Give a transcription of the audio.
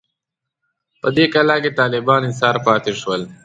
په دې کلا کې طالبان ایسار پاتې شول.